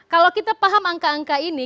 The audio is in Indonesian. kalau kita paham angka angka ini